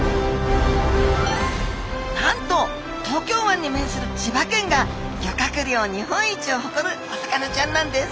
なんと東京湾に面する千葉県が漁獲量日本一をほこるお魚ちゃんなんです！